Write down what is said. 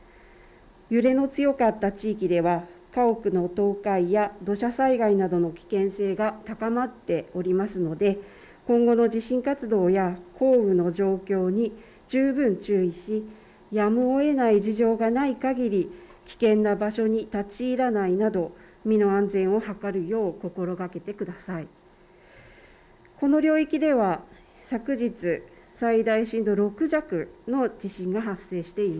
揺れの強かった地域では家屋の倒壊や土砂災害などの危険性が高まっておりますので今後の地震活動や降雨の状況に十分注意しやむをえない事情がないかぎり危険な場所に立ち入らないなど身の安全を図るよう心がけてください。